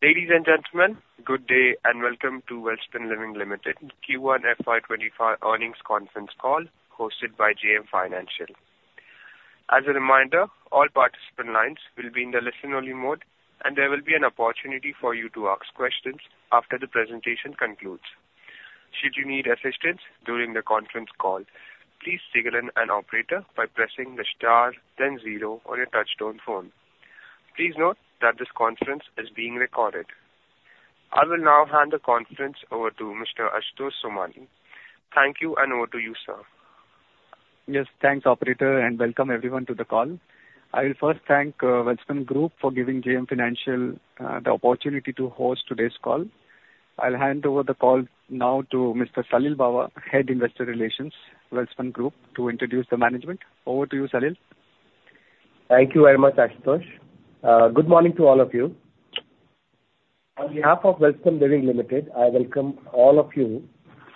Ladies and gentlemen, good day, and welcome to Welspun Living Limited Q1 FY25 earnings conference call, hosted by JM Financial. As a reminder, all participant lines will be in the listen-only mode, and there will be an opportunity for you to ask questions after the presentation concludes. Should you need assistance during the conference call, please signal an operator by pressing the star then zero on your touchtone phone. Please note that this conference is being recorded. I will now hand the conference over to Mr. Ashutosh Somani. Thank you, and over to you, sir. Yes, thanks, operator, and welcome everyone to the call. I will first thank Welspun Group for giving JM Financial the opportunity to host today's call. I'll hand over the call now to Mr. Salil Bawa, Head Investor Relations, Welspun Group, to introduce the management. Over to you, Salil. Thank you very much, Ashutosh. Good morning to all of you. On behalf of Welspun Living Limited, I welcome all of you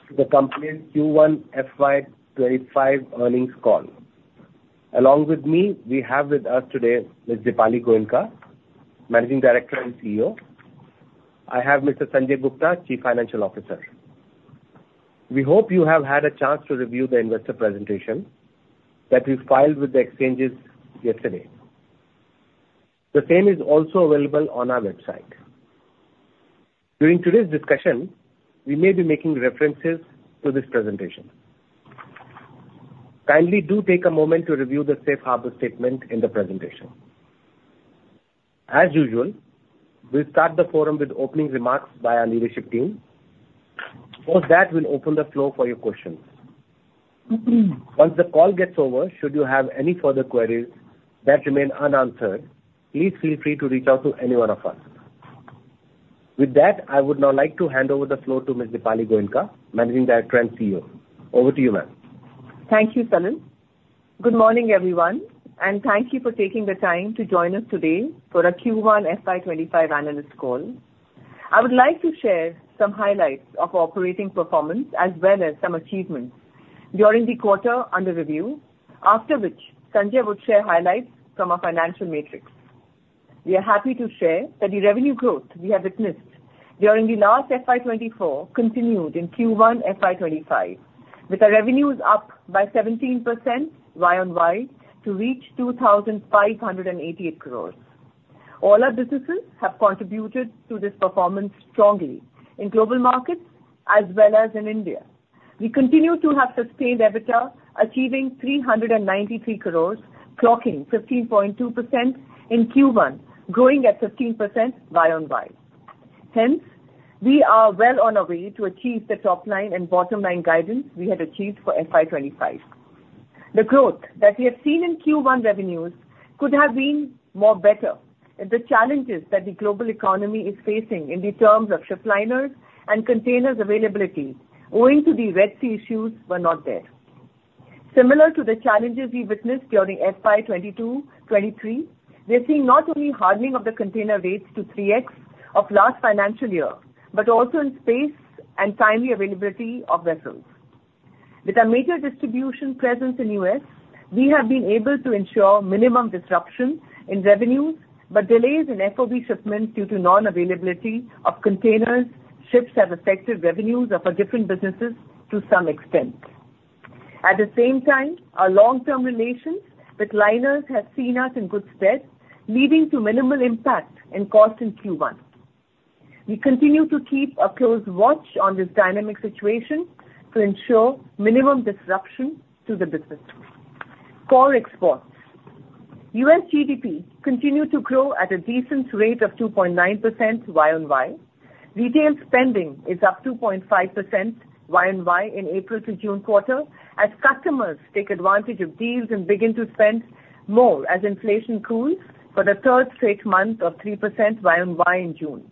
to the company's Q1 FY25 earnings call. Along with me, we have with us today Ms. Dipali Goenka, Managing Director and CEO. I have Mr. Sanjay Gupta, Chief Financial Officer. We hope you have had a chance to review the investor presentation that we filed with the exchanges yesterday. The same is also available on our website. During today's discussion, we may be making references to this presentation. Kindly do take a moment to review the safe harbor statement in the presentation. As usual, we'll start the forum with opening remarks by our leadership team. After that, we'll open the floor for your questions. Once the call gets over, should you have any further queries that remain unanswered, please feel free to reach out to any one of us. With that, I would now like to hand over the floor to Ms. Dipali Goenka, Managing Director and CEO. Over to you, ma'am. Thank you, Salil. Good morning, everyone, and thank you for taking the time to join us today for our Q1 FY 2025 analyst call. I would like to share some highlights of operating performance as well as some achievements during the quarter under review, after which Sanjay will share highlights from our financial metrics. We are happy to share that the revenue growth we have witnessed during the last FY 2024 continued in Q1 FY 2025, with our revenues up by 17% Y on Y to reach 2,588 crores. All our businesses have contributed to this performance strongly in global markets as well as in India. We continue to have sustained EBITDA, achieving 393 crores, clocking 15.2% in Q1, growing at 15% Y on Y. Hence, we are well on our way to achieve the top line and bottom line guidance we had achieved for FY 25. The growth that we have seen in Q1 revenues could have been more better if the challenges that the global economy is facing in the terms of ship liners and containers availability owing to the Red Sea issues were not there. Similar to the challenges we witnessed during FY 22, 23, we are seeing not only hardening of the container rates to 3x of last financial year, but also in space and timely availability of vessels. With our major distribution presence in U.S., we have been able to ensure minimum disruption in revenues, but delays in FOB shipments due to non-availability of containers, ships have affected revenues of our different businesses to some extent. At the same time, our long-term relations with liners have seen us in good stead, leading to minimal impact in cost in Q1. We continue to keep a close watch on this dynamic situation to ensure minimum disruption to the business. Core exports. U.S. GDP continued to grow at a decent rate of 2.9% year-over-year. Retail spending is up 2.5% year-over-year in April to June quarter, as customers take advantage of deals and begin to spend more as inflation cools for the third straight month of 3% year-over-year in June,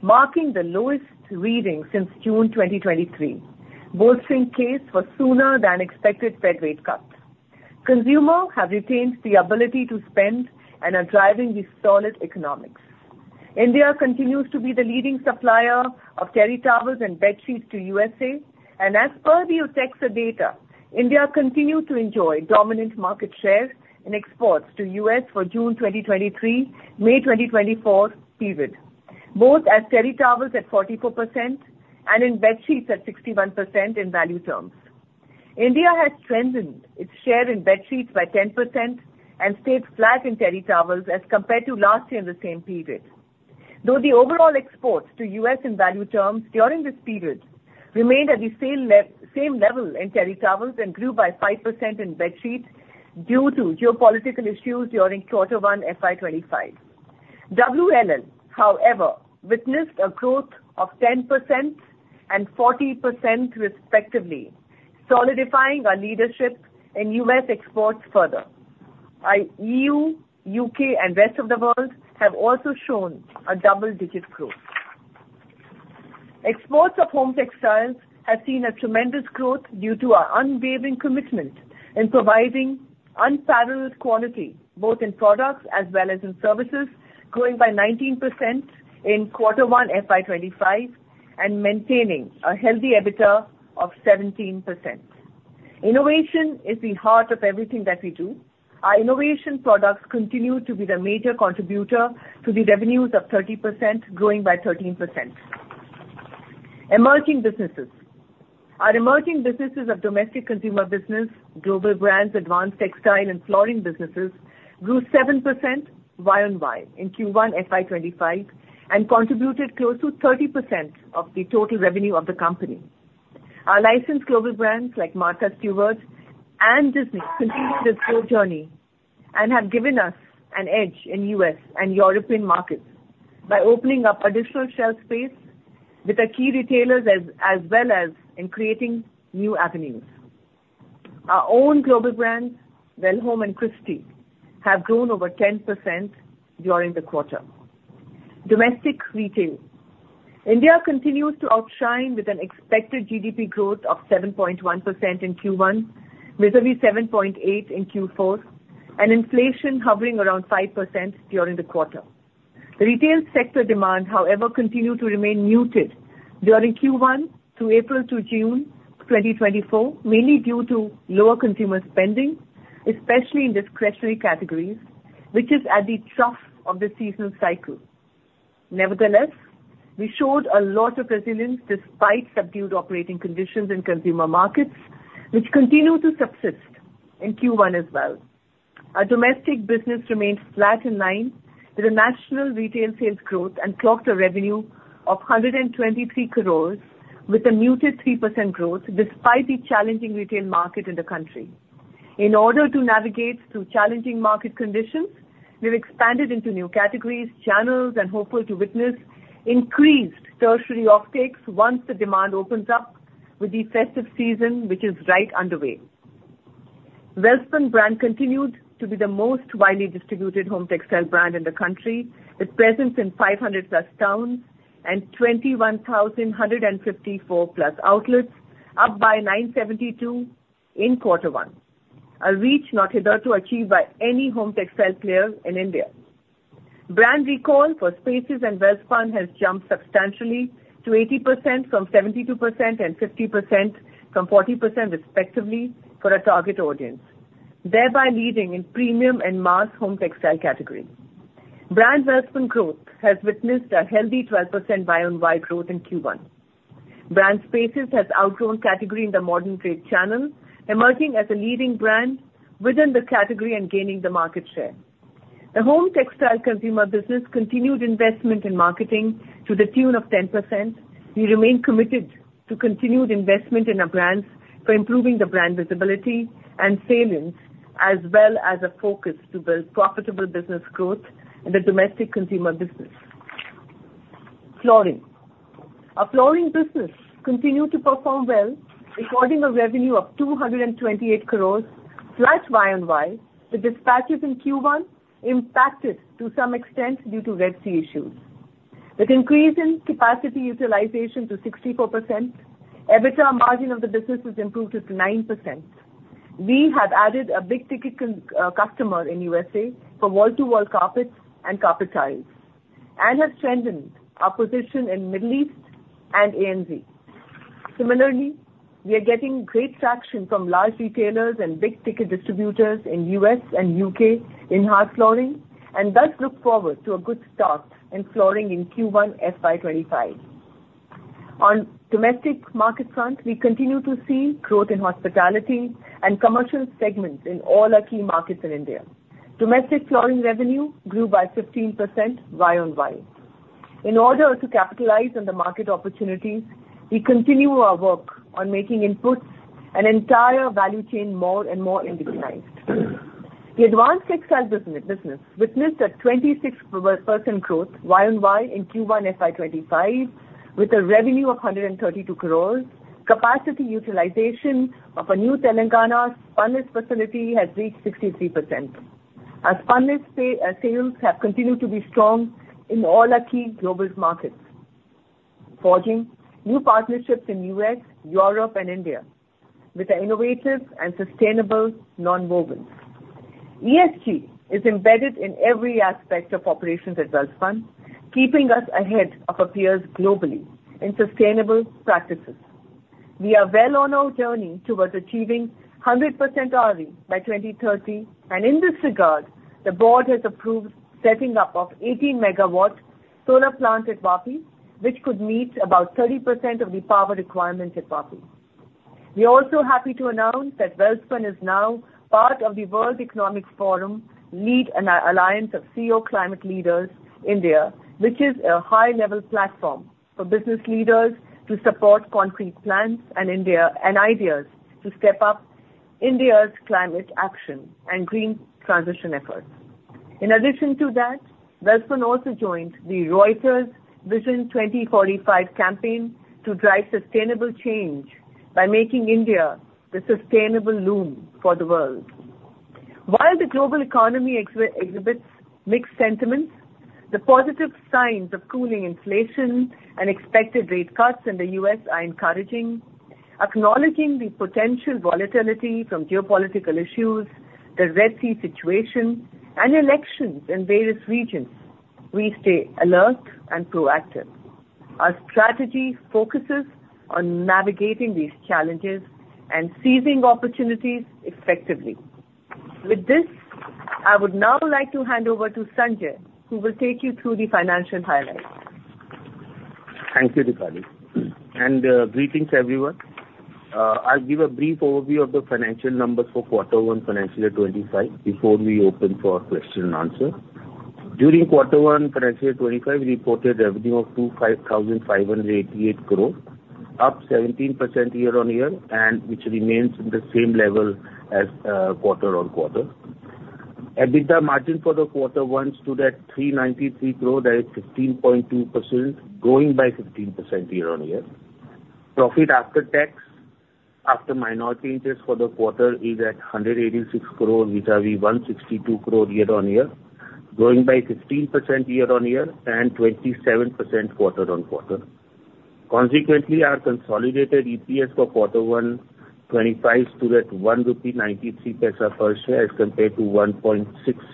marking the lowest reading since June 2023, bolstering case for sooner than expected Fed rate cuts. Consumers have retained the ability to spend and are driving the solid economics. India continues to be the leading supplier of terry towels and bedsheets to U.S.A. As per the OTEXA data, India continued to enjoy dominant market share in exports to U.S. for June 2023-May 2024 period, both as terry towels at 44% and in bedsheets at 61% in value terms. India has strengthened its share in bedsheets by 10% and stayed flat in terry towels as compared to last year in the same period. Though the overall exports to U.S. in value terms during this period remained at the same level in terry towels and grew by 5% in bedsheets due to geopolitical issues during quarter one, FY 2025. WLL, however, witnessed a growth of 10% and 40%, respectively, solidifying our leadership in U.S. exports further. Our E.U., U.K., and rest of the world have also shown a double-digit growth. Exports of home textiles have seen a tremendous growth due to our unwavering commitment in providing unparalleled quality, both in products as well as in services, growing by 19% in quarter one, FY 25, and maintaining a healthy EBITDA of 17%. Innovation is the heart of everything that we do. Our innovation products continue to be the major contributor to the revenues of 30%, growing by 13%. Emerging businesses. Our emerging businesses of domestic consumer business, global brands, advanced textile, and flooring businesses, grew 7% Y on Y in Q1 FY 25, and contributed close to 30% of the total revenue of the company. Our licensed global brands like Martha Stewart and Disney continue this growth journey, and have given us an edge in U.S. and European markets by opening up additional shelf space with our key retailers, as well as in creating new avenues. Our own global brands, Welhome and Christy, have grown over 10% during the quarter. Domestic retail. India continues to outshine with an expected GDP growth of 7.1% in Q1, vis-à-vis 7.8 in Q4, and inflation hovering around 5% during the quarter. The retail sector demand, however, continued to remain muted during Q1 to April to June 2024, mainly due to lower consumer spending, especially in discretionary categories, which is at the trough of the seasonal cycle. Nevertheless, we showed a lot of resilience despite subdued operating conditions in consumer markets, which continued to subsist in Q1 as well. Our domestic business remained flat in line with the national retail sales growth and clocked a revenue of 123 crore with a muted 3% growth, despite the challenging retail market in the country. In order to navigate through challenging market conditions, we've expanded into new categories, channels, and hopeful to witness increased tertiary offtakes once the demand opens up with the festive season, which is right underway. Welspun brand continued to be the most widely distributed home textile brand in the country, with presence in 500+ towns and 21,154+ outlets, up by 972 in quarter one. A reach not hitherto achieved by any home textile player in India. Brand recall for Spaces and Welspun has jumped substantially to 80% from 72% and 50% from 40% respectively for our target audience, thereby leading in premium and mass home textile category. Brand Welspun growth has witnessed a healthy 12% Y on Y growth in Q1. Brand Spaces has outgrown category in the modern trade channel, emerging as a leading brand within the category and gaining the market share. The home textile consumer business continued investment in marketing to the tune of 10%. We remain committed to continued investment in our brands for improving the brand visibility and salience, as well as a focus to build profitable business growth in the domestic consumer business. Flooring. Our flooring business continued to perform well, recording a revenue of 228 crore, flat Y on Y, with dispatches in Q1 impacted to some extent due to Red Sea issues. With increase in capacity utilization to 64%, EBITDA margin of the business has improved to 9%. We have added a big ticket customer in U.S.A. for wall-to-wall carpets and carpet tiles, and have strengthened our position in Middle East and ANZ. Similarly, we are getting great traction from large retailers and big ticket distributors in U.S. and U.K. in hard flooring, and thus look forward to a good start in flooring in Q1 FY 2025. On domestic market front, we continue to see growth in hospitality and commercial segments in all our key markets in India. Domestic flooring revenue grew by 15% Y-on-Y. In order to capitalize on the market opportunities, we continue our work on making inputs and entire value chain more and more integrated. The advanced textile business witnessed a 26% growth Y-on-Y in Q1 FY25, with a revenue of 132 crore. Capacity utilization of our new Telangana Spunlace facility has reached 63%. Our Spunlace sales have continued to be strong in all our key global markets, forging new partnerships in U.S., Europe, and India, with our innovative and sustainable nonwovens. ESG is embedded in every aspect of operations at Welspun, keeping us ahead of our peers globally in sustainable practices. We are well on our journey towards achieving 100% RE by 2030, and in this regard, the board has approved setting up of 18-megawatt solar plant at Vapi, which could meet about 30% of the power requirement at Vapi. We are also happy to announce that Welspun is now part of the World Economic Forum's Alliance of CEO Climate Leaders, India, which is a high-level platform for business leaders to support concrete plans and ideas to step up India's climate action and green transition efforts. In addition to that, Welspun also joined the Reuters Vision 2045 campaign to drive sustainable change by making India the sustainable loom for the world. While the global economy exhibits mixed sentiments, the positive signs of cooling inflation and expected rate cuts in the U.S. are encouraging. Acknowledging the potential volatility from geopolitical issues, the Red Sea situation, and elections in various regions, we stay alert and proactive. Our strategy focuses on navigating these challenges and seizing opportunities effectively. With this, I would now like to hand over to Sanjay, who will take you through the financial highlights. Thank you, Dipali. And greetings, everyone. I'll give a brief overview of the financial numbers for Quarter One, Financial Year 2025, before we open for question and answer. During Quarter One, Financial 2025, we reported revenue of 2,588 crore, up 17% year-on-year, and which remains in the same level as quarter-on-quarter. EBITDA margin for the Quarter One stood at 393 crore, that is 15.2%, growing by 15% year-on-year. Profit after tax, after minority interest for the quarter is at 186 crore, vis-a-vis 162 crore year-on-year, growing by 15% year-on-year and 27% quarter-on-quarter. Consequently, our consolidated EPS for Quarter One 2025 stood at INR 1.93 per share, as compared to 1.66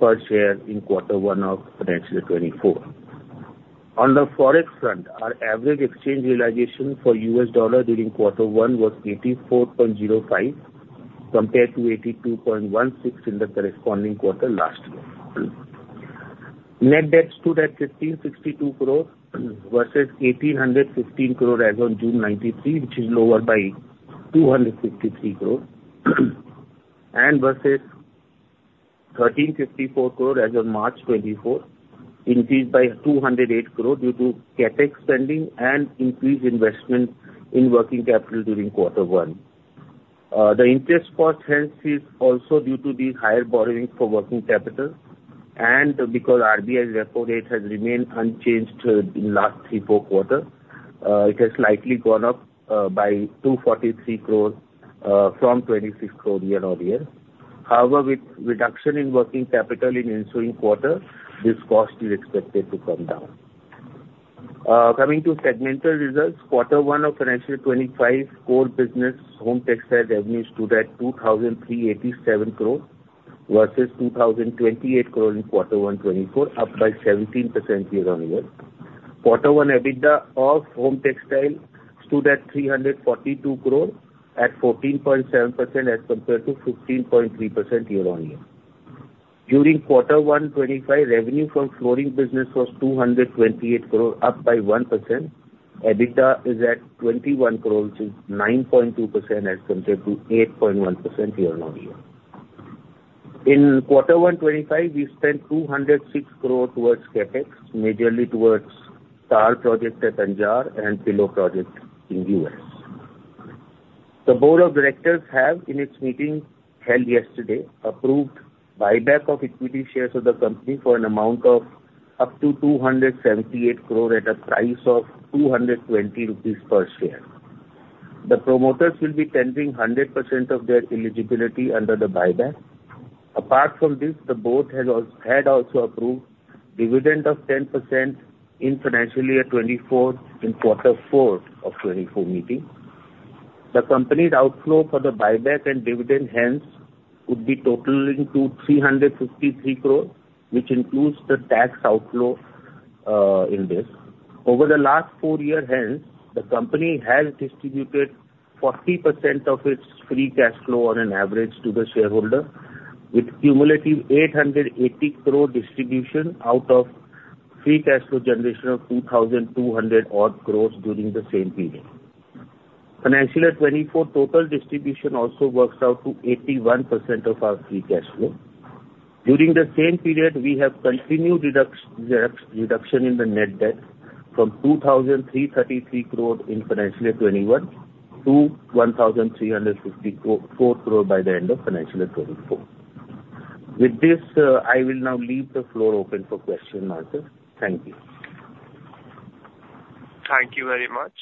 per share in Quarter One of Financial Year 2024. On the Forex front, our average exchange realization for U.S. dollar during Quarter One was 84.05, compared to 82.16 in the corresponding quarter last year. Net debt stood at INR 1,562 crore, versus INR 1,815 crore as on June 2023, which is lower by INR 253 crore, and versus INR 1,354 crore as of March 2024, increased by INR 208 crore due to CapEx spending and increased investment in working capital during Quarter One. The interest cost, hence, is also due to the higher borrowing for working capital, and because RBI's repo rate has remained unchanged in last 3, 4 quarters. It has slightly gone up by 243 crore from 26 crore year-on-year. However, with reduction in working capital in ensuing quarter, this cost is expected to come down. Coming to segmental results, Quarter One of Financial 2025, core business Home Textile revenue stood at 2,387 crore, versus 2,028 crore in Quarter One 2024, up by 17% year-on-year. Quarter One EBITDA of Home Textile stood at 342 crore, at 14.7% as compared to 15.3% year-on-year. During Quarter One 2025, revenue from flooring business was 228 crore, up by 1%. EBITDA is at 21 crore, which is 9.2% as compared to 8.1% year-on-year. In Quarter One 2025, we spent 206 crore towards CapEx, majorly towards towel project at Anjar and pillow project in the U.S. The Board of Directors have, in its meeting held yesterday, approved buyback of equity shares of the company for an amount of up to 278 crore at a price of 220 rupees per share. The promoters will be tendering 100% of their eligibility under the buyback. Apart from this, the board has had also approved dividend of 10% in financial year 2024, in Quarter Four of 2024 meeting. The company's outflow for the buyback and dividend hence would be totaling to 353 crore, which includes the tax outflow, in this. Over the last four years, hence, the company has distributed 40% of its free cash flow on an average to the shareholder, with cumulative 880 crore distribution out of free cash flow generation of 2,200-odd crore during the same period. Financial year 2024, total distribution also works out to 81% of our free cash flow. During the same period, we have continued reduction in the net debt from 2,333 crore in financial year 2021 to 1,354 crore by the end of financial year 2024. With this, I will now leave the floor open for question-and-answer. Thank you. Thank you very much.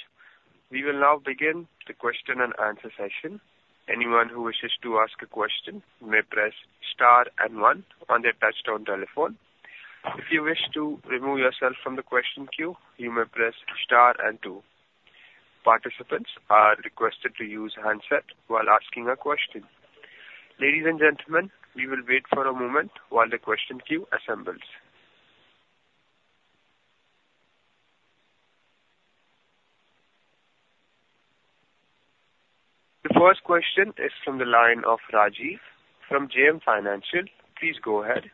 We will now begin the question and answer session. Anyone who wishes to ask a question may press star and one on their touchtone telephone. If you wish to remove yourself from the question queue, you may press star and two. Participants are requested to use handset while asking a question. Ladies and gentlemen, we will wait for a moment while the question queue assembles. The first question is from the line of Rajiv from JM Financial. Please go ahead.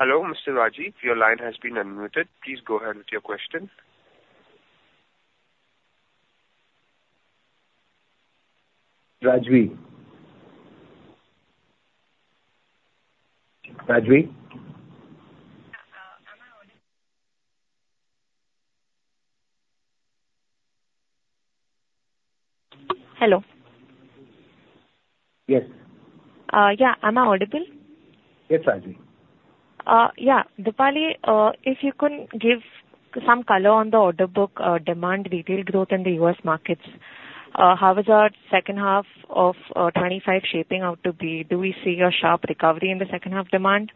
Hello, Mr. Rajiv, your line has been unmuted. Please go ahead with your question. Rajiv? Rajiv? Hello. Yes. Yeah. Am I audible? Yes, Rajiv. Yeah, Dipali, if you could give some color on the order book, demand retail growth in the U.S. markets. How is our second half of 2025 shaping out to be? Do we see a sharp recovery in the second half demand?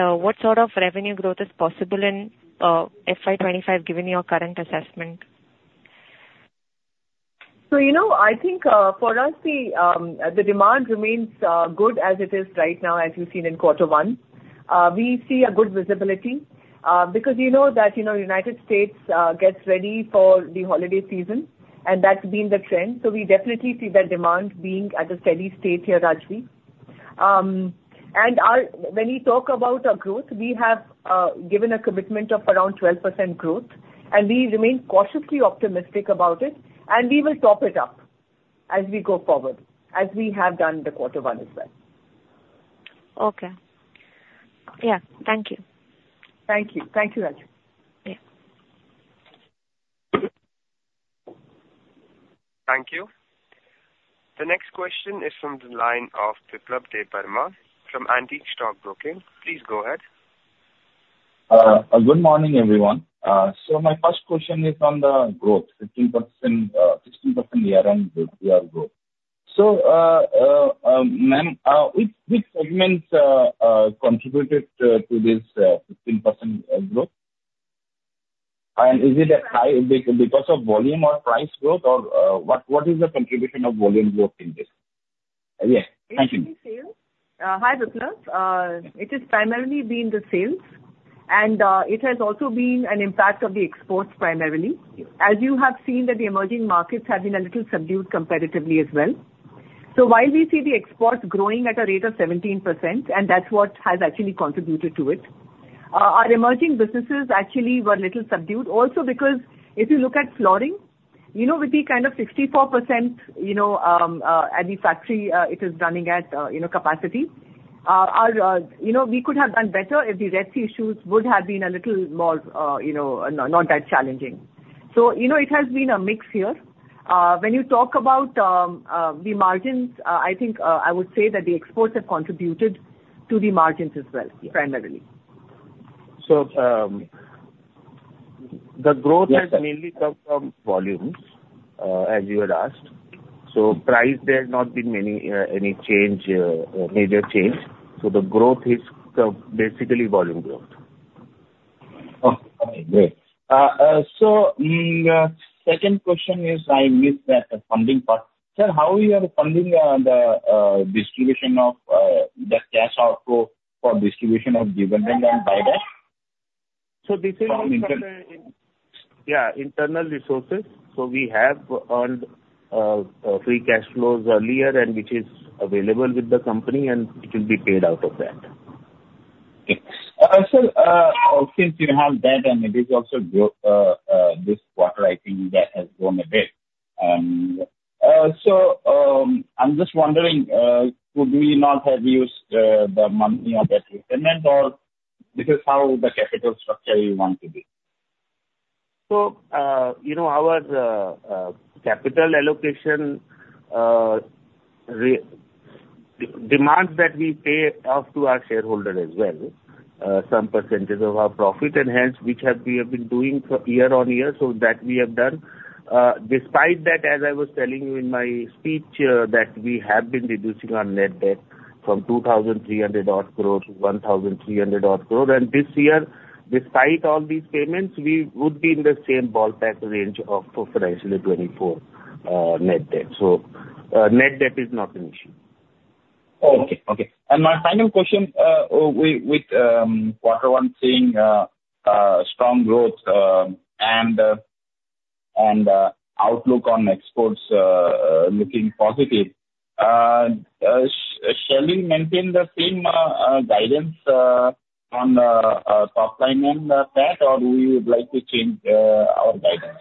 What sort of revenue growth is possible in FY 25, given your current assessment? You know, I think, for us, the demand remains good as it is right now, as you've seen in quarter one. We see a good visibility, because you know that, you know, United States gets ready for the holiday season, and that's been the trend. So we definitely see that demand being at a steady state here, Rajiv. And when you talk about our growth, we have given a commitment of around 12% growth, and we remain cautiously optimistic about it, and we will top it up as we go forward, as we have done in the quarter one as well. Okay. Yeah, thank you. Thank you. Thank you, Rajiv. Yeah. Thank you. The next question is from the line of Biplab Debbarma from Antique Stock Broking. Please go ahead. Good morning, everyone. So my first question is on the growth, 15%, 15% year-on-year growth. So, ma'am, which segments contributed to this 15% growth? And is it high because of volume or price growth, or what is the contribution of volume growth in this? Yes, thank you. Hi, Biplab. It has primarily been the sales, and it has also been an impact of the exports primarily. As you have seen that the emerging markets have been a little subdued competitively as well. So while we see the exports growing at a rate of 17%, and that's what has actually contributed to it, our emerging businesses actually were a little subdued. Also, because if you look at flooring, you know, with the kind of 64%, you know, at the factory, it is running at, you know, capacity, our, you know, we could have done better if the Red Sea issues would have been a little more, you know, not that challenging. So, you know, it has been a mix here. When you talk about the margins, I think I would say that the exports have contributed to the margins as well, primarily. So, the growth has mainly come from volumes, as you had asked, so price, there has not been many, any change, or major change, so the growth is basically volume growth. Oh, great. So, second question is I missed that funding part. Sir, how you are funding the distribution of the cash outflow for distribution of dividend and buyback? So this is. From internal. Yeah, internal resources. So we have earned free cash flows earlier and which is available with the company, and it will be paid out of that. Okay. Sir, since you have that, and it is also grow this quarter, I think that has grown a bit. And so, I'm just wondering, could we not have used the money of that repayment, or this is how the capital structure you want to be? You know, our capital allocation requires that we pay off to our shareholder as well, some percentage of our profit, and hence, which have, we have been doing for year-on-year, so that we have done. Despite that, as I was telling you in my speech, that we have been reducing our net debt from 2,300 odd crore to 1,300 odd crore, and this year, despite all these payments, we would be in the same ballpark range of roughly 24 net debt. So, net debt is not an issue. Okay. Okay. And my final question, with quarter one seeing strong growth and outlook on exports looking positive, shall we maintain the same guidance on the top line and that, or do you like to change our guidance?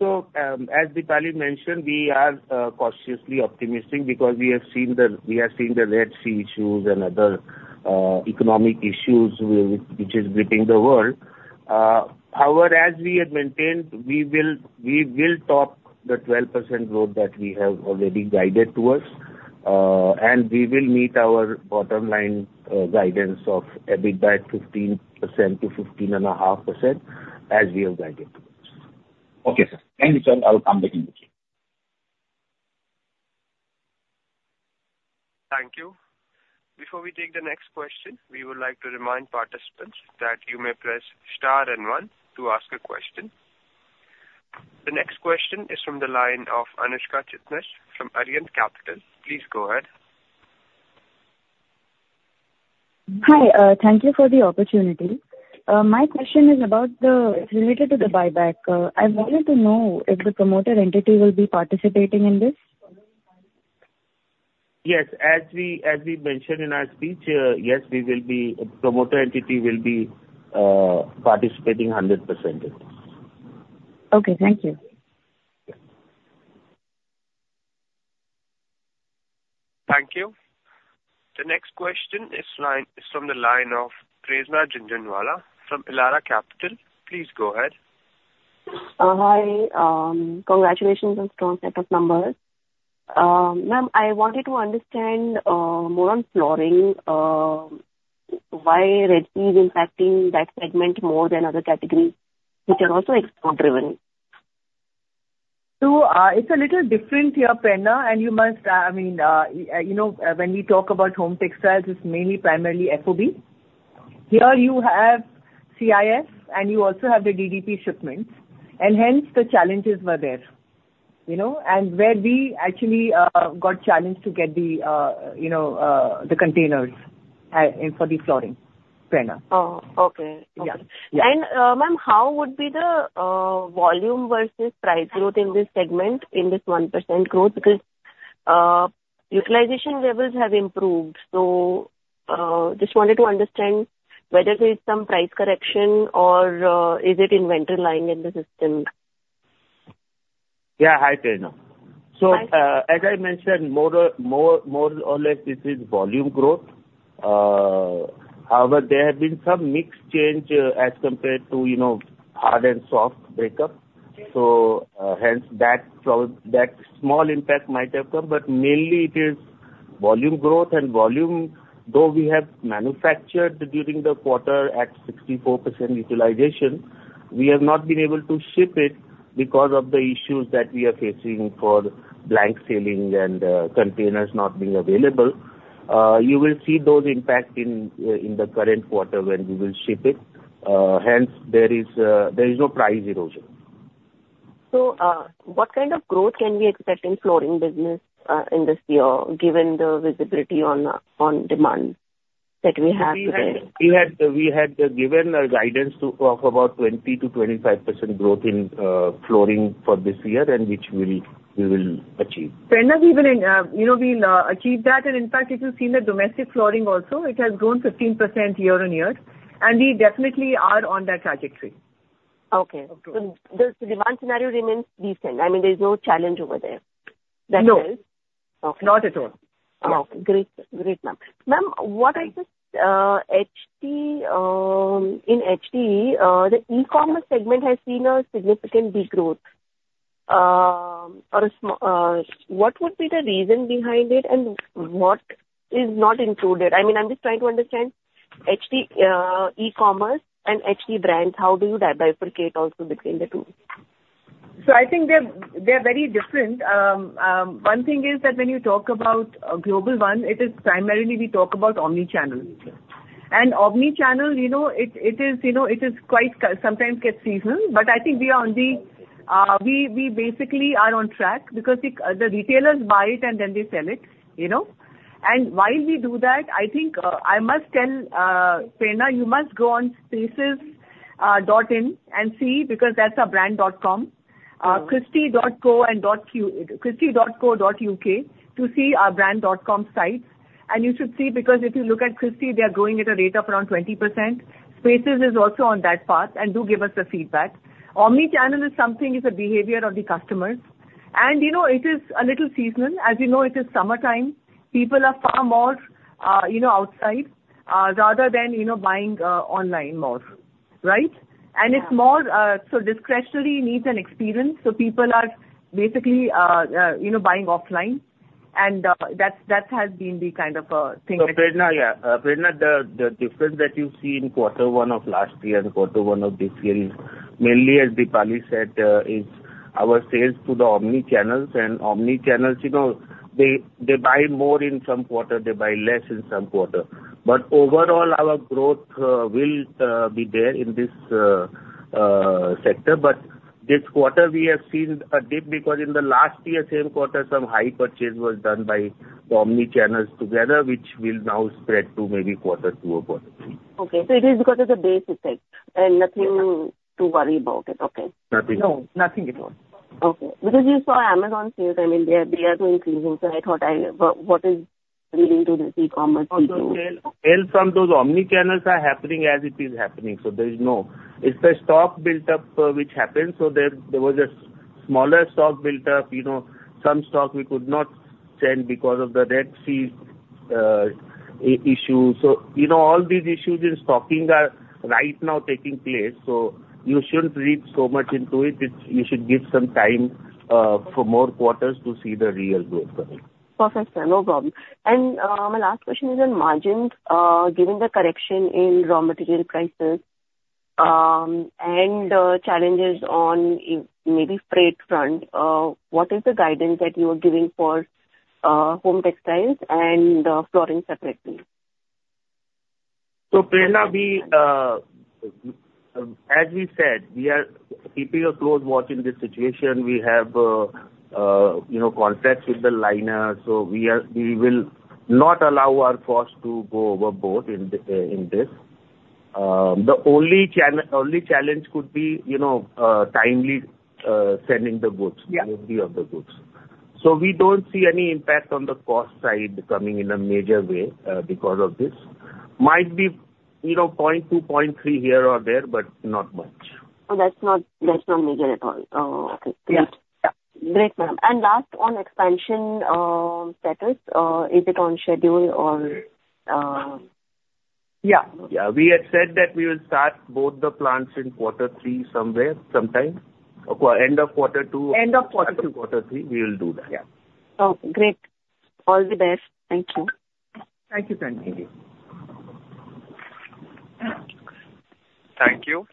So, as Dipali mentioned, we are cautiously optimistic because we have seen the, we have seen the Red Sea issues and other economic issues which is gripping the world. However, as we had maintained, we will, we will top the 12% growth that we have already guided towards, and we will meet our bottom line guidance of EBITDA 15%-15.5%, as we have guided towards. Okay, sir. Thank you, sir. I will come back in the queue. Thank you. Before we take the next question, we would like to remind participants that you may press star and one to ask a question. The next question is from the line of Anushka Chitnis from Arihant Capital Markets Ltd. Please go ahead. Hi, thank you for the opportunity. My question is about the related to the buyback. I wanted to know if the promoter entity will be participating in this? Yes, as we mentioned in our speech, yes, the promoter entity will be participating 100% in this. Okay, thank you. Thank you. The next question is from the line of Prerna Jhunjhunwala from Elara Capital. Please go ahead. Hi. Congratulations on strong set of numbers. Ma'am, I wanted to understand more on flooring. Why Red Sea is impacting that segment more than other categories, which are also export driven? So, it's a little different here, Prerna, and you must, I mean, you know, when we talk about home textiles, it's mainly primarily FOB. Here you have CIF, and you also have the DDP shipments, and hence the challenges were there, you know. And where we actually got challenged to get the, you know, the containers, in, for the flooring, Prerna. Oh, okay. Yeah. Ma'am, how would be the volume versus price growth in this segment, in this 1% growth? Because utilization levels have improved, so just wanted to understand whether there is some price correction or is it inventory lying in the system? Yeah. Hi, Prerna. Hi. So, as I mentioned, more or less, this is volume growth. However, there have been some mixed change, as compared to, you know, hard and soft breakup. So, hence, that small impact might have come, but mainly it is volume growth. And volume, though we have manufactured during the quarter at 64% utilization, we have not been able to ship it because of the issues that we are facing for blank sailing and containers not being available. You will see those impact in the current quarter when we will ship it, hence, there is no price erosion. What kind of growth can we expect in flooring business in this year, given the visibility on demand that we have today? We had given a guidance of about 20%-25% growth in flooring for this year, and which we will achieve. Prerna, we will, you know, we'll achieve that. In fact, if you've seen the domestic flooring also, it has grown 15% year-on-year, and we definitely are on that trajectory. Okay. Okay. The demand scenario remains decent. I mean, there's no challenge over there. No. That well? Okay. Not at all. Oh, great. Great, ma'am. Ma'am, what I just HT. In HT, the e-commerce segment has seen a significant degrowth. Or what would be the reason behind it, and what is not included? I mean, I'm just trying to understand HT e-commerce and HT brands, how do you bifurcate also between the two? So I think they're very different. One thing is that when you talk about a Global Online, it is primarily we talk about omni-channel. And omni-channel, you know, it is quite sometimes gets seasonal, but I think we are on the. We basically are on track because the retailers buy it, and then they sell it, you know? And while we do that, I think I must tell Prerna, you must go on Spaces.in and see, because that's our brand.com. Okay. Christy.co.uk to see our brand.com sites. And you should see, because if you look at Christy, they are growing at a rate of around 20%. Spaces is also on that path, and do give us a feedback. Omni-channel is something, is a behavior of the customers. And, you know, it is a little seasonal. As you know, it is summertime, people are far more, you know, outside, rather than, you know, buying, online more, right? Yeah. And it's more so discretionary needs and experience, so people are basically, you know, buying offline, and that's that has been the kind of thing that- So Prerna, yeah. Prerna, the difference that you see in quarter one of last year and quarter one of this year is mainly, as Dipali said, is our sales to the omni-channels. And omni-channels, you know, they, they buy more in some quarter, they buy less in some quarter. But overall, our growth will be there in this sector. But this quarter we have seen a dip, because in the last year, same quarter, some high purchase was done by the omni-channels together, which will now spread to maybe quarter two or quarter three. Okay. So it is because of the base effect, and nothing to worry about it, okay. Nothing. No, nothing at all. Okay. Because you saw Amazon sales, I mean, they are, they are going through the roof, so I thought, what, what is leading to this e-commerce too? Sales from those omni-channels are happening as it is happening, so there is no. It's the stock built up, which happened, so there, there was a smaller stock built up. You know, some stock we could not send because of the Red Sea issue. So, you know, all these issues in stocking are right now taking place, so you shouldn't read so much into it. It's-- You should give some time, for more quarters to see the real growth coming. Perfect, sir. No problem. My last question is on margins. Given the correction in raw material prices and challenges on, maybe, freight front, what is the guidance that you are giving for home textiles and flooring separately? So Prerna, as we said, we are keeping a close watch in this situation. We have, you know, contracts with the liner. So we are. We will not allow our costs to go overboard in this. The only challenge could be, you know, timely sending the goods Yeah Ready availability of the goods. We don't see any impact on the cost side coming in a major way, because of this. Might be, you know, 0.2, 0.3 here or there, but not much. Oh, that's not, that's not major at all. Okay. Yeah. Great. Yeah, great, ma'am. And last on expansion, status, is it on schedule or, Yeah. Yeah. We had said that we will start both the plants in quarter three, somewhere, sometime. End of quarter two. End of quarter two. Quarter three, we will do that. Yeah. Oh, great. All the best. Thank you. Thank you, Prerna. .Thank you.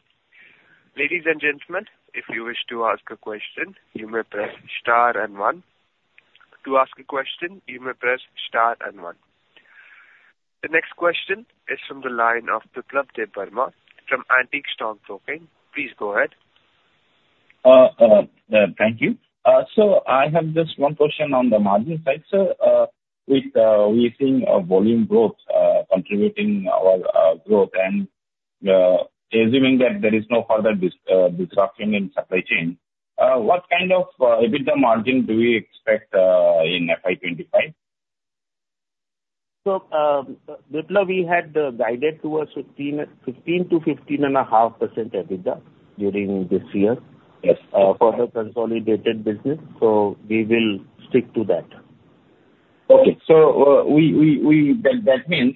Ladies and gentlemen, if you wish to ask a question, you may press star and one. To ask a question, you may press star and one. The next question is from the line of Biplab Debbarma from Antique Stock Broking. Please go ahead. Thank you. So I have just one question on the margin side, sir. With we seeing a volume growth contributing our growth and assuming that there is no further disruption in supply chain, what kind of EBITDA margin do we expect in FY 25? So, Biplab, we had guided towards 15%-15.5% EBITDA during this year. Yes. For the consolidated business, so we will stick to that. Okay. So, that means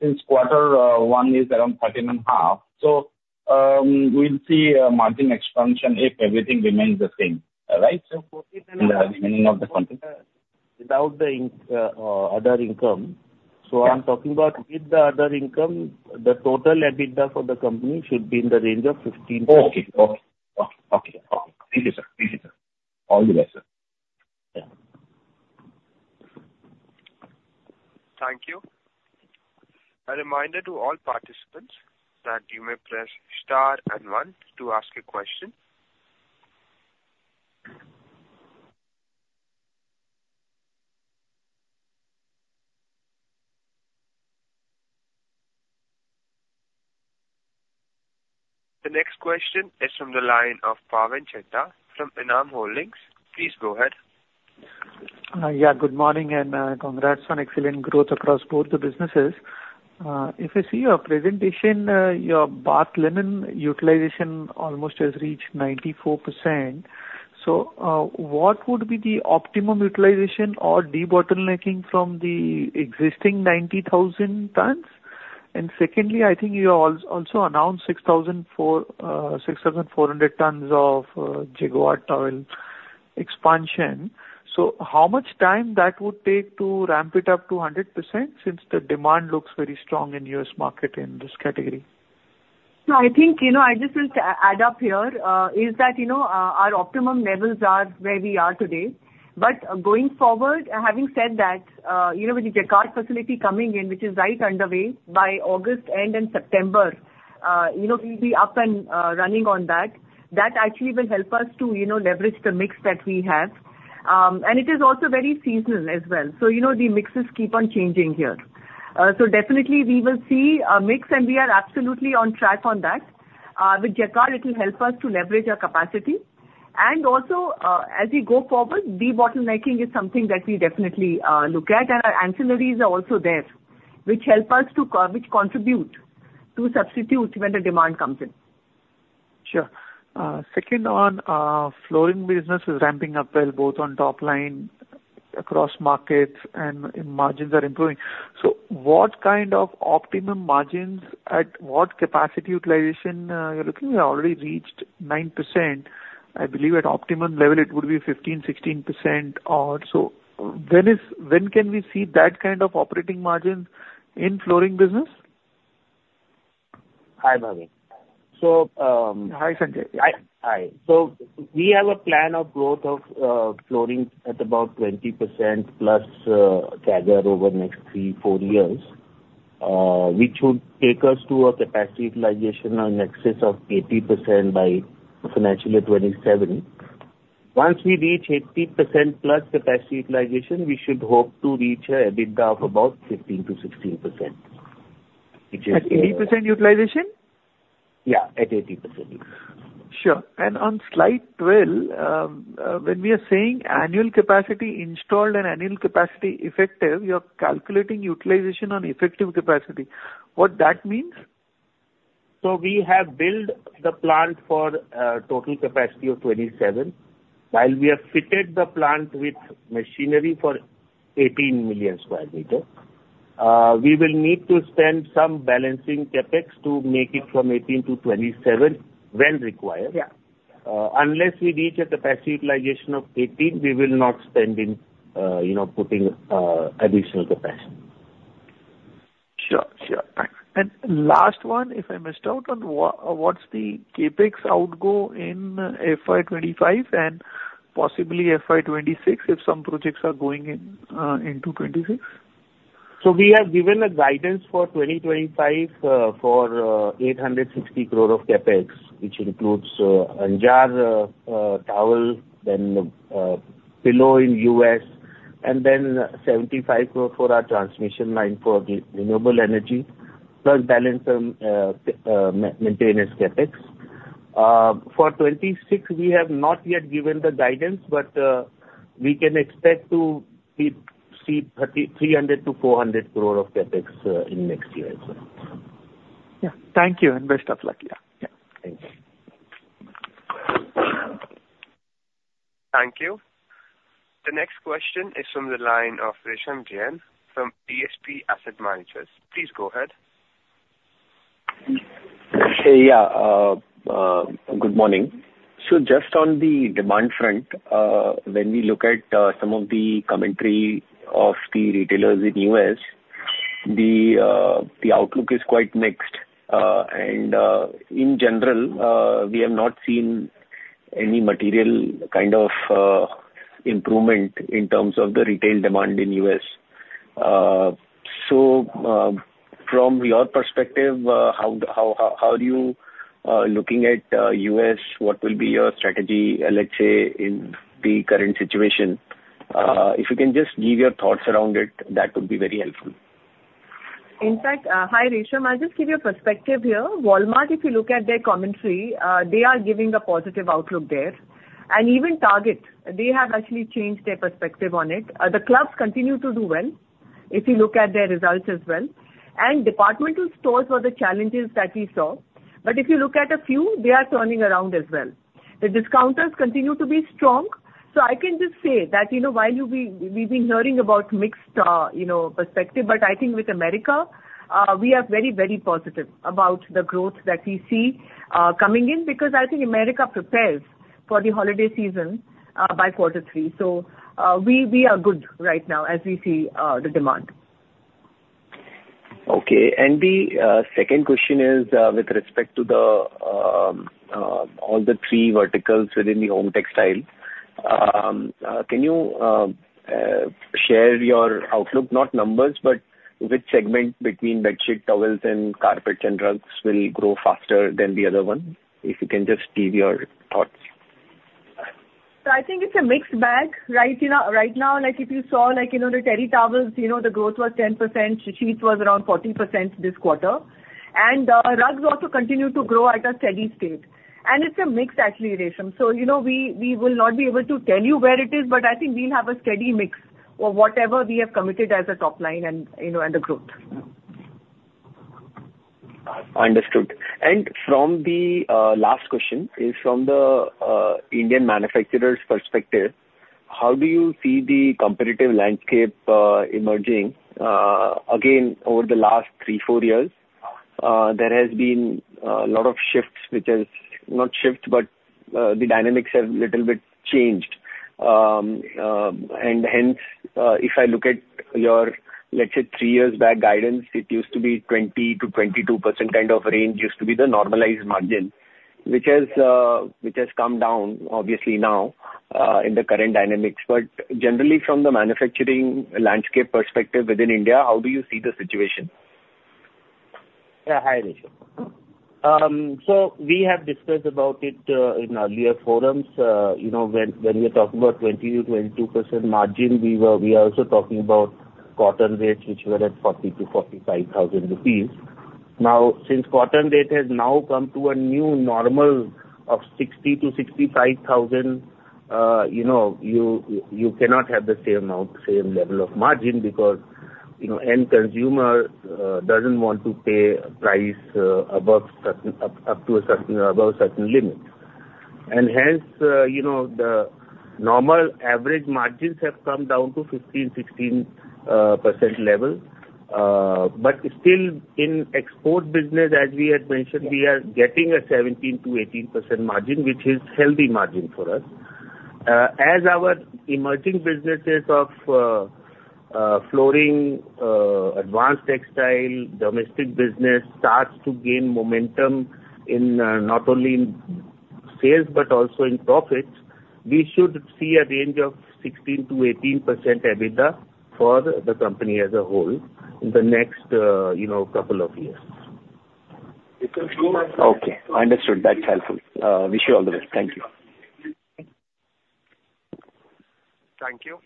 since quarter one is around 13.5, so we'll see a margin expansion if everything remains the same, right, sir? Without the other income. Yeah. I'm talking about with the other income, the total EBITDA for the company should be in the range of 15%. Okay. Okay. Okay, okay. Thank you, sir. Thank you, sir. All the best, sir. Yeah. Thank you. A reminder to all participants that you may press star and one to ask a question. The next question is from the line of Bhavin Chheda from Enam Holdings. Please go ahead. Yeah, good morning, and congrats on excellent growth across both the businesses. If I see your presentation, your bath linen utilization almost has reached 94%. So, what would be the optimum utilization or debottlenecking from the existing 90,000 tons? And secondly, I think you also announced 6,400 tons of Jacquard towel expansion. So how much time that would take to ramp it up to 100%, since the demand looks very strong in U.S. market in this category? No, I think, you know, I just will add up here, is that, you know, our optimum levels are where we are today. But going forward, having said that, you know, with the Jacquard facility coming in, which is right underway by August end in September, you know, we'll be up and running on that. That actually will help us to, you know, leverage the mix that we have. And it is also very seasonal as well. So, you know, the mixes keep on changing here. So definitely we will see a mix, and we are absolutely on track on that. With Jacquard, it will help us to leverage our capacity. And also, as we go forward, debottlenecking is something that we definitely look at. Our ancillaries are also there, which help us to which contribute to substitute when the demand comes in. Sure. Second on, flooring business is ramping up well, both on top line across markets and margins are improving. So what kind of optimum margins, at what capacity utilization, you're looking? You're already reached 9%. I believe at optimum level, it would be 15, 16% or so. When, when can we see that kind of operating margin in flooring business? Hi, Bhavin. So Hi, Sanjay. Hi. Hi. So we have a plan of growth of flooring at about 20%+ CAGR over the next 3-4 years, which would take us to a capacity utilization in excess of 80% by financial year 2027. Once we reach 80%+ capacity utilization, we should hope to reach an EBITDA of about 15%-16%, which is. At 80% utilization? Yeah, at 80%. Sure. And on slide 12, when we are saying annual capacity installed and annual capacity effective, you're calculating utilization on effective capacity. What that means? So we have built the plant for total capacity of 27, while we have fitted the plant with machinery for 18 million square meters. We will need to spend some balancing CapEx to make it from 18 to 27 when required. Yeah. Unless we reach a capacity utilization of 18, we will not spend in, you know, putting additional capacity. Sure, sure. And last one, if I missed out on what's the CapEx outgo in FY 25 and possibly FY 26, if some projects are going in into 26? We have given a guidance for 2025 for 860 crore of CapEx, which includes Anjar towel, then pillow in U.S., and then 75 crore for our transmission line for the renewable energy, plus balance maintenance CapEx. For 2026, we have not yet given the guidance, but we can expect to see 3,300 to 400 crore of CapEx in next year as well. Yeah. Thank you, and best of luck. Yeah, yeah. Thank you. Thank you. The next question is from the line of Resham Jain from DSP Asset Managers. Please go ahead. Hey, yeah. Good morning. Just on the demand front, when we look at some of the commentary of the retailers in U.S., the outlook is quite mixed. And in general, we have not seen any material kind of improvement in terms of the retail demand in U.S. So from your perspective, how are you looking at U.S.? What will be your strategy, let's say, in the current situation? If you can just give your thoughts around it, that would be very helpful. In fact, hi, Resham. I'll just give you a perspective here. Walmart, if you look at their commentary, they are giving a positive outlook there. And even Target, they have actually changed their perspective on it. The clubs continue to do well, if you look at their results as well. And departmental stores were the challenges that we saw, but if you look at a few, they are turning around as well. The discounters continue to be strong. So I can just say that, you know, while you, we- we've been hearing about mixed, you know, perspective, but I think with America, we are very, very positive about the growth that we see, coming in. Because I think America prepares for the holiday season, by quarter three. So, we, we are good right now as we see, the demand. Okay. And the second question is, with respect to all the three verticals within the home textile. Can you share your outlook, not numbers, but which segment between bedsheet, towels, and carpets and rugs will grow faster than the other one? If you can just give your thoughts. I think it's a mixed bag. Right, you know, right now, like, if you saw, like, you know, the Terry towels, you know, the growth was 10%. Sheets was around 40% this quarter. Rugs also continue to grow at a steady state. It's a mix, actually, Resham. You know, we, we will not be able to tell you where it is, but I think we'll have a steady mix of whatever we have committed as a top line and, you know, and the growth. Understood. The last question is from the Indian manufacturer's perspective, how do you see the competitive landscape emerging? Again, over the last 3-4 years, there has been a lot of shifts, not shifts, but the dynamics have little bit changed. And hence, if I look at your, let's say, 3 years back guidance, it used to be 20%-22% kind of range, used to be the normalized margin, which has come down obviously now in the current dynamics. But generally, from the manufacturing landscape perspective within India, how do you see the situation? Yeah, hi, Resham. So we have discussed about it in earlier forums. You know, when we are talking about 20%-22% margin, we are also talking about cotton rates, which were at 40,000-45,000 rupees. Now, since cotton rate has now come to a new normal of 60,000-65,000, you know, you cannot have the same amount, same level of margin because, you know, end consumer doesn't want to pay price above a certain limit. And hence, you know, the normal average margins have come down to 15, 16% level. But still, in export business, as we had mentioned, we are getting a 17%-18% margin, which is healthy margin for us. As our emerging businesses of flooring, advanced textile, domestic business starts to gain momentum in not only in sales but also in profits, we should see a range of 16%-18% EBITDA for the company as a whole in the next, you know, couple of years. Okay, understood. That's helpful. Wish you all the best. Thank you. Thank you.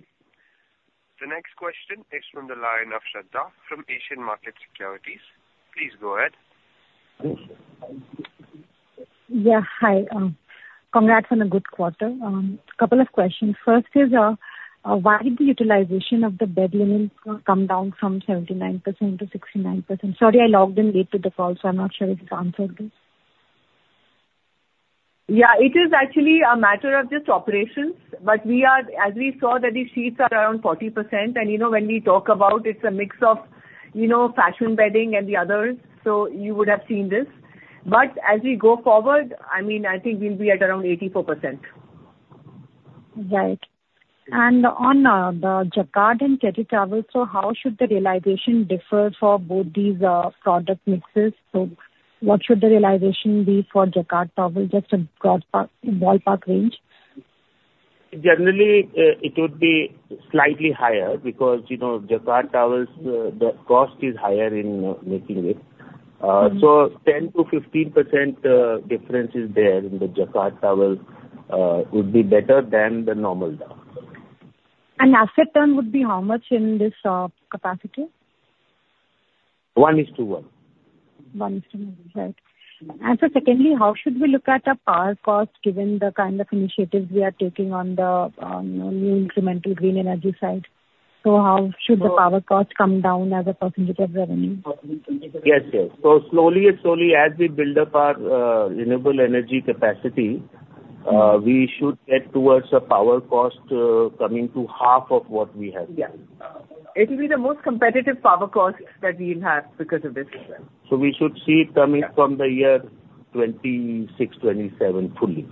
The next question is from the line of Shraddha from Asian Market Securities. Please go ahead. Yeah, hi. Congrats on a good quarter. A couple of questions. First is, why did the utilization of the bed linens come down from 79% to 69%? Sorry, I logged in late to the call, so I'm not sure if it's answered this. Yeah, it is actually a matter of just operations. But we are, as we saw, that the sheets are around 40%. And you know, when we talk about it's a mix of, you know, fashion bedding and the others, so you would have seen this. But as we go forward, I mean, I think we'll be at around 84%. Right. And on the Jacquard and Terry towels, so how should the realization differ for both these product mixes? So what should the realization be for Jacquard towel, just a broad ballpark range? Generally, it would be slightly higher because, you know, Jacquard towels, the cost is higher in making it. So 10%-15% difference is there in the Jacquard towel would be better than the normal towel. Asset turn would be how much in this capacity? One is to one. One is to one, right. And so secondly, how should we look at the power cost, given the kind of initiatives we are taking on the new incremental green energy side? So how should the power cost come down as a percentage of revenue? Yes, yes. So slowly and slowly, as we build up our renewable energy capacity, we should get towards a power cost coming to half of what we have now. Yeah. It will be the most competitive power cost that we'll have because of this as well. We should see it coming from the year 2026, 2027, fully.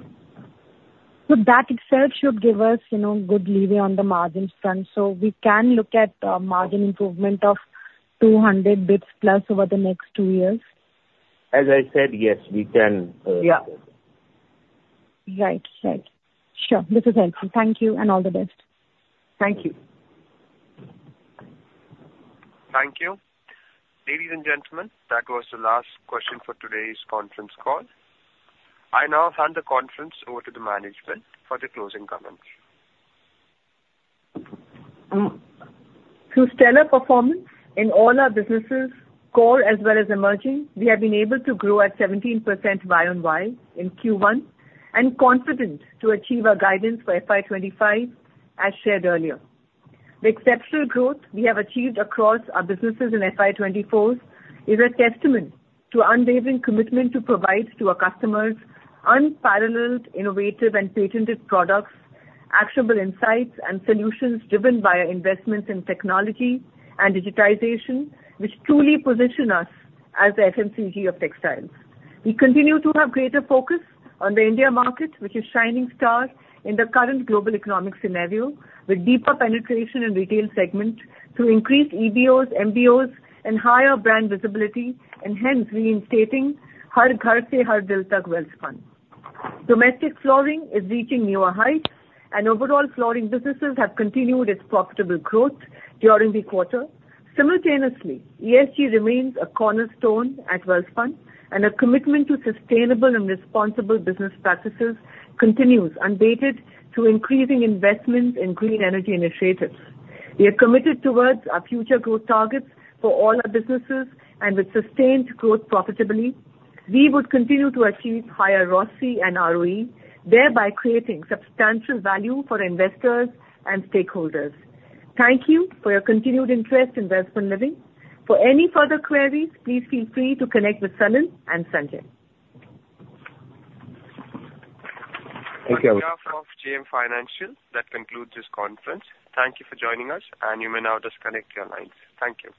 So that itself should give us, you know, good leeway on the margin front, so we can look at margin improvement of 200 basis points plus over the next two years? As I said, yes, we can, Yeah. Right. Right. Sure. This is helpful. Thank you, and all the best. Thank you. Thank you. Ladies and gentlemen, that was the last question for today's conference call. I now hand the conference over to the management for the closing comments. Through stellar performance in all our businesses, core as well as emerging, we have been able to grow at 17% Y on Y in Q1, and confident to achieve our guidance for FY 2025, as shared earlier. The exceptional growth we have achieved across our businesses in FY 2024 is a testament to unwavering commitment to provide to our customers unparalleled, innovative and patented products, actionable insights and solutions driven by our investments in technology and digitization, which truly position us as the FMCG of textiles. We continue to have greater focus on the India market, which is shining star in the current global economic scenario, with deeper penetration in retail segment to increase EBOs, MBOs and higher brand visibility, and hence reinstating that] Domestic flooring is reaching newer heights, and overall flooring businesses have continued its profitable growth during the quarter. Simultaneously, ESG remains a cornerstone at Welspun, and our commitment to sustainable and responsible business practices continues unabated through increasing investments in green energy initiatives. We are committed towards our future growth targets for all our businesses, and with sustained growth profitably, we would continue to achieve higher ROCE and ROE, thereby creating substantial value for investors and stakeholders. Thank you for your continued interest in Welspun Living. For any further queries, please feel free to connect with Salil and Sanjay. On behalf of JM Financial, that concludes this conference. Thank you for joining us, and you may now disconnect your lines. Thank you.